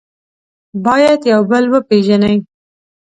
باید یو بل وپېژنئ.